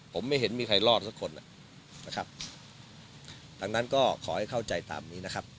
ผมไม่เห็นมีใครรอดสักคนนะครับดังนั้นก็ขอให้เข้าใจตามนี้นะครับ